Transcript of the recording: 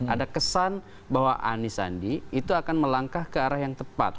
ada kesan bahwa anies sandi itu akan melangkah ke arah yang tepat